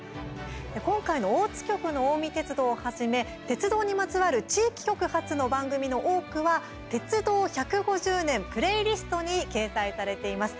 今回の大津局の近江鉄道をはじめ、鉄道にまつわる地域局発の番組の多くは「鉄道１５０年プレイリスト」に掲載されています。